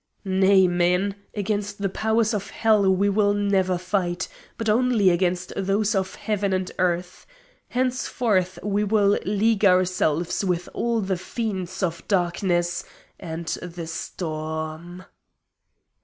"Nay, my men; against the powers of Hell we will never fight, but only against those of Heaven and Earth. Henceforth we will league ourselves with all the fiends of Darkness and the Storm!"